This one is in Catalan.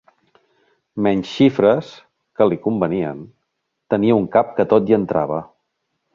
Menys xifres, que li convenien, tenia un cap que tot hi entrava